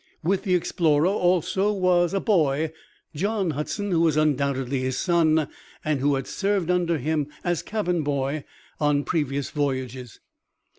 With the explorer also was a boy, John Hudson, who was undoubtedly his son and who had served under him as cabin boy on previous voyages.